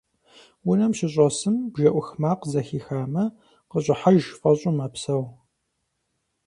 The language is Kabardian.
Унэм щыщӀэсым, бжэ Ӏух макъ зэхихамэ, къыщӀыхьэж фӀэщӀу мэпсэу.